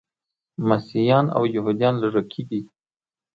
مسیحیان او یهودان لږکي دي.